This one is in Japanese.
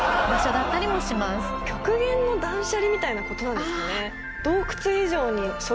極限の断捨離みたいな事なんですかね？